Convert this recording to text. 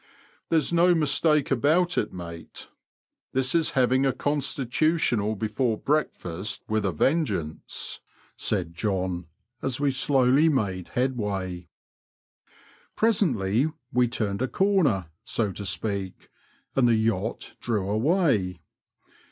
" There's no mistake about it, mate ; this is having a constitutional before breakfast with a vengeance," said John, as we slowly made headway. Presently we turned a corner, so to speak, and the yacht drew away.